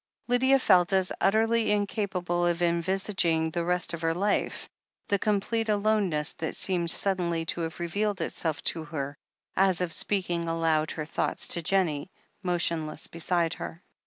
Lydia felt as utterly incapable of envisaging the rest of her life, the complete aloneness that seemed sud denly to have revealed itself to her, as of speaking aloud her thoughts to Jennie, motionless beside her.